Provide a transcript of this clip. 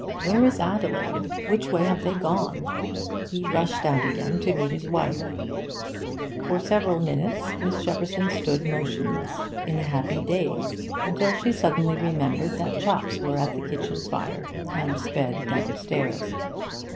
Where is Adelaide? Which way have they gone?' He rushed out again, to meet his wife. For several minutes Miss Shepperson stood motionless, in a happy daze, until she suddenly remembered that chops were at the kitchen fire, and sped downstairs.